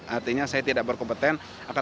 artinya saya tidak berkompetensi